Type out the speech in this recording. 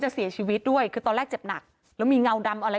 เสียชีวิตด้วยคือตอนแรกเจ็บหนักแล้วมีเงาดำอะไร